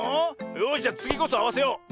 よしじゃつぎこそあわせよう。